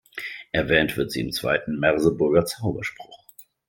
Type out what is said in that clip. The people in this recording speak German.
Erwähnt wird sie im Zweiten Merseburger Zauberspruch.